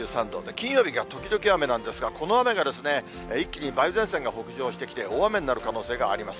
金曜日が時々雨なんですが、この雨が一気に梅雨前線が北上してきて大雨になる可能性があります。